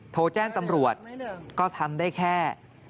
โทรแจ้งตำรวจก็ทำได้แค่